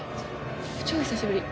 超久しぶり。